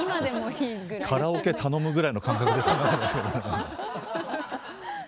カラオケ頼むぐらいの感覚で頼んでますけど何か。